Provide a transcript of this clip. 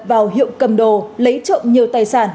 vào hiệu cầm đồ lấy trộm nhiều tài sản